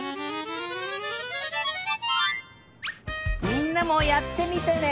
みんなもやってみてね。